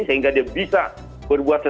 di hati ayah